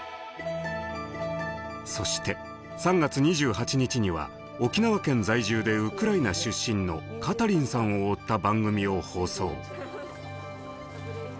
そして３月２８日には沖縄県在住でウクライナ出身のカタリンさんを追った番組を放送。